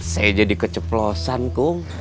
saya jadi keceplosan kung